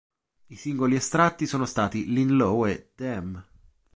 I singoli estratti sono stati "Lean Low" e "Damn!